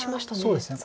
そうですね。